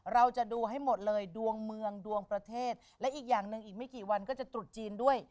เราจะดูให้หมดเลยดวงเมืองดวงประเทศและอีกอย่างหนึ่งอีกไม่กี่วันก็จะตรุษจีนด้วย